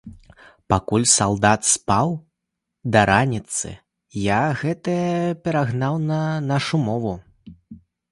Пакуль салдат спаў да раніцы, я і гэтае перагнаў на нашу мову.